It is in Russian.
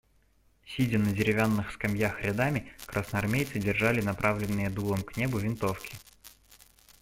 Сидя на деревянных скамьях рядами, красноармейцы держали направленные дулом к небу винтовки.